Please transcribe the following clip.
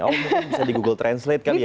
oh mungkin bisa di google translate kali ya